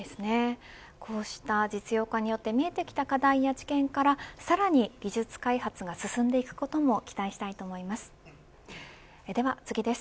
こうした実用化によって見えてきた課題や知見からさらに技術開発が進んでいくことも期待したいと思います。